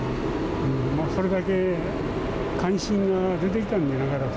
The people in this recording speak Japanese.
それだけ関心が出てきたんじゃなかろうか。